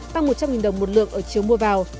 tăng một trăm linh đồng một lượng ở chiều mua vào